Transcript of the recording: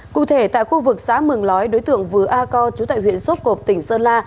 cụ thể tại khu vực xã mường lói đối tượng vừa a co trú tại huyện sốt cộp tỉnh sơn la